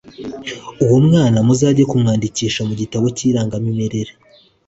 Uwo mwana muzajye kumwandikisha mu gitabo cyiranaga mimerere